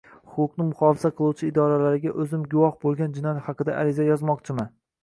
Huquqni muhofaza qiluvchi idoralarga o‘zim guvoh bo‘lgan jinoyat haqida ariza yozmoqchiman.